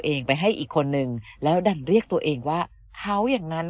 เองไปให้อีกคนนึงแล้วดันเรียกตัวเองว่าเขาอย่างนั้น